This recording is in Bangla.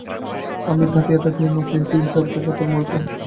আমি তাথিয়া তাথিয়া মাথিয়া ফিরি স্বর্গ-পাতাল মর্ত্য।